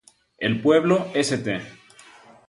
El pueblo St.